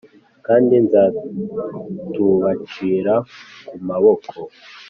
kandi nzatubacira ku maboko